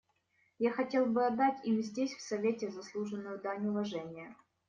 Я хотел бы отдать им здесь, в Совете, заслуженную дань уважения.